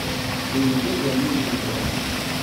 Win d azmul n Tom.